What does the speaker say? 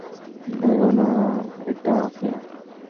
ভেঙো না এটা কে!